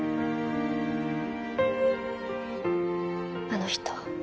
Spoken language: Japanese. あの人